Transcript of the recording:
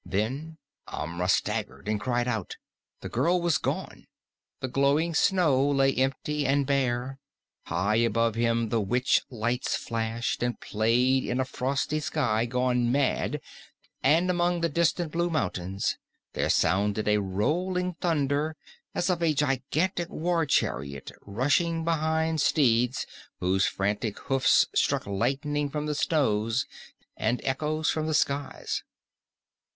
Then Amra staggered and cried out. The girl was gone. The glowing snow lay empty and bare; high above him the witch lights flashed and played in a frosty sky gone mad and among the distant blue mountains there sounded a rolling thunder as of a gigantic war chariot rushing behind steeds whose frantic hoofs struck lightning from the snows and echoes from the skies.